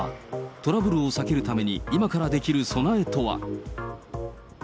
トラブルを避けるために今からできる備えとは。